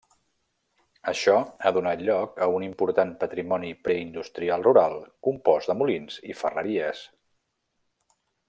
Això, ha donat lloc a un important patrimoni preindustrial rural compost de molins i ferreries.